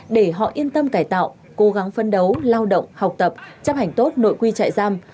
để họ yên tâm cải tạo cố gắng phân đấu lao động học tập chấp hành tốt nội quy trại giam